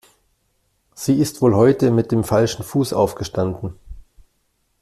Sie ist wohl heute mit dem falschen Fuß aufgestanden.